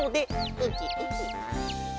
ウキウキ。